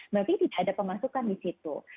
berarti tidak ada pemasukan di situ